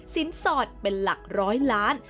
สอดเป็นหลักร้อยล้าน